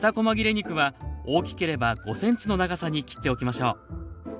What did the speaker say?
肉は大きければ５ｃｍの長さに切っておきましょう。